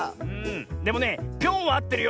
でもね「ぴょん」はあってるよ。